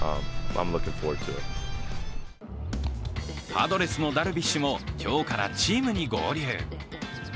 パドレスのダルビッシュも今日からチームに合流。